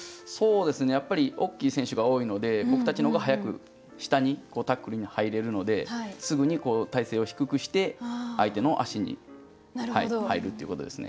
やっぱり大きい選手が多いので僕たちの方が早く下にタックルに入れるのですぐに体勢を低くして相手の足に入るっていうことですね。